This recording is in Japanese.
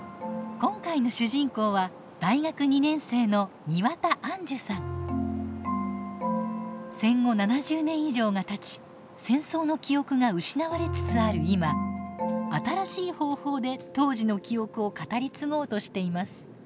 今回の主人公は大学２年生の戦後７０年以上がたち戦争の記憶が失われつつある今新しい方法で当時の記憶を語り継ごうとしています。